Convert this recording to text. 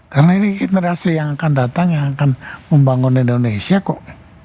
karena ini generasi yang akan datang yang akan membangun indonesia kok